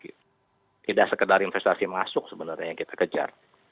tidak sekedar investasi masuk sebenarnya yang kita kejar